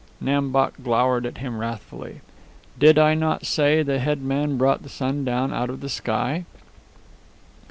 Nam Bok glowered on him wrathfully. "Did I not say the head man brought the sun down out of the sky?"